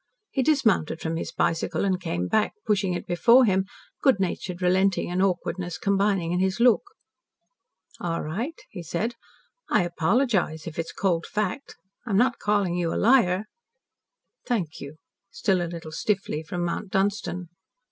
He dismounted from his bicycle, and came back, pushing it before him, good natured relenting and awkwardness combining in his look. "All right," he said. "I apologise if it's cold fact. I'm not calling you a liar." "Thank you," still a little stiffly, from Mount Dunstan.